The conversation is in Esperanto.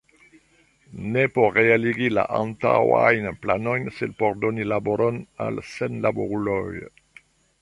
Ne por realigi la antaŭajn planojn, sed por doni laboron al senlaboruloj.